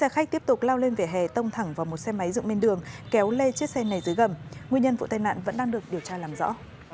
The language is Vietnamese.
khách tiếp tục lao lên vỉa hè tông thẳng vào một xe máy dựng bên đường kéo lê chiếc xe này dưới gầm nguyên nhân vụ tai nạn vẫn đang được điều tra làm rõ